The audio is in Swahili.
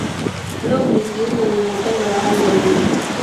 blob ni kiumbe mwenye upendo wa hali ya juu